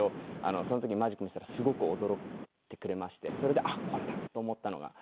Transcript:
その時マジック見せたらすごく驚いてくれましてそれであっこれだと思ったのがきっかけで。